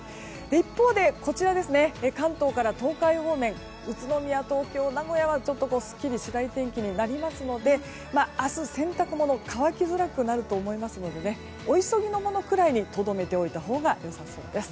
一方で、関東から東海方面宇都宮、東京、名古屋はちょっとすっきりしない天気になりますので、明日洗濯物が乾きづらくなると思いますのでお急ぎのものぐらいにとどめておいたほうがよさそうです。